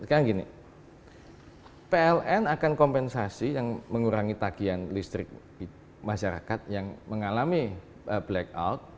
sekarang gini pln akan kompensasi yang mengurangi tagihan listrik masyarakat yang mengalami blackout